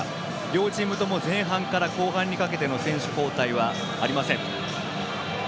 両チームとも前半から後半にかけての選手交代はありません。